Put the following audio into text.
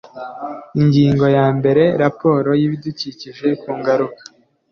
Ingingo ya mbere Raporo y ibidukikije ku ngaruka